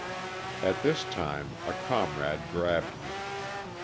At this time a comrade grabbed me.